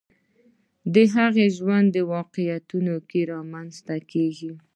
د هغه ژوند واقعیتونو کې رامنځته کېږي